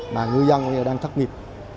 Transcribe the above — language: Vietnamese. mà ngư dân đang thất nghiệp